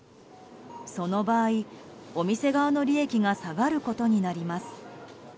その場合、お店側の利益が下がることになります。